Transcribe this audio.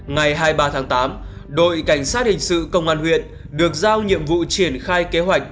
ngày hai mươi ba tháng tám đội cảnh sát hình sự công an huyện được giao nhiệm vụ triển khai kế hoạch